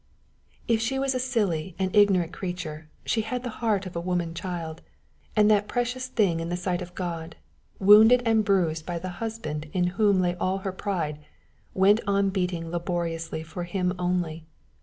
If she was a silly and ignorant creature, she had the heart of a woman child; and that precious thing in the sight of God, wounded and bruised by the husband in whom lay all her pride, went on beating laboriously for him only.